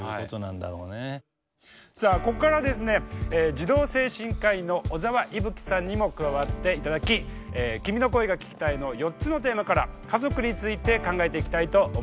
児童精神科医の小澤いぶきさんにも加わっていただき「君の声が聴きたい」の４つのテーマから家族について考えていきたいと思います。